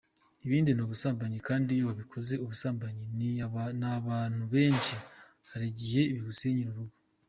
Ibindi ni ubusambanyi kandi iyo wakoze ubusambanyi n’ abantu benshi hari igihe bigusenyera urugo.